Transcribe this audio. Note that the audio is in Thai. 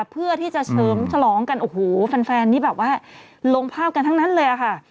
เพื่อที่จะเฉลิมฉลองกันโอ้โหแฟนนี่แบบว่าลงภาพกันทั้งนั้นเลยค่ะ